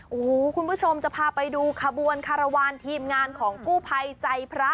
โอ้โหคุณผู้ชมจะพาไปดูขบวนคารวาลทีมงานของกู้ภัยใจพระ